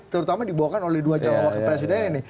terutama dibawakan oleh dua calon wakil presiden ini